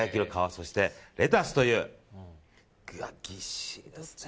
そしてレタスというぎっしりですね。